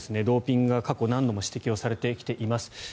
ドーピングが過去、何度も指摘をされてきています。